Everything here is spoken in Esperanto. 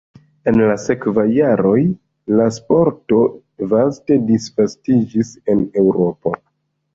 En la sekvaj jaroj la sporto vaste disvastiĝis en Eŭropo.